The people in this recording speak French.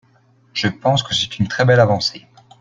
Je pense que c’est une très belle avancée.